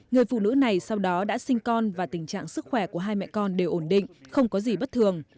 người phụ nữ này sau đó đã sinh con và tình trạng sức khỏe của hai mẹ con đều ổn định không có gì bất thường